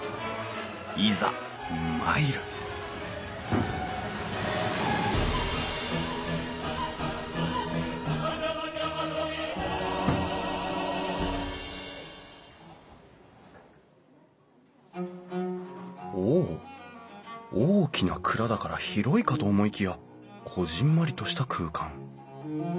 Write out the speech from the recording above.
いざ参るお大きな蔵だから広いかと思いきやこぢんまりとした空間。